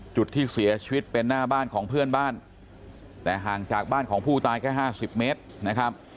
จุดที่เสียชีวิตเป็นหน้าบ้านของเพื่อนบ้านแต่ห่างจากบ้านของผู้ตายแค่๕๐เมตรนะครับ